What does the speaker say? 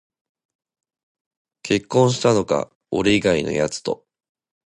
結婚したのか、俺以外のやつと